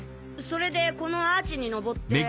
それでこのアーチに登って。